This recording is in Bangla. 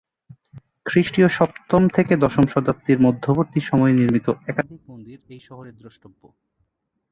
খ্রিষ্টীয় সপ্তম থেকে দশম শতাব্দীর মধ্যবর্তী সময়ে নির্মিত একাধিক মন্দির এই শহরের দ্রষ্টব্য।